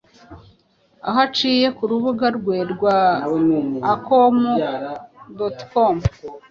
aho uciye ku rubuga rwe rwa akom.com